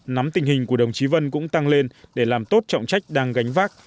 nắm tình hình của đồng chí vân cũng tăng lên để làm tốt trọng trách đang gánh vác